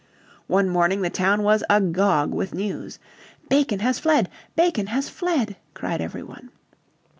One morning the town was agog with news. "Bacon has fled, Bacon has fled!" cried every one.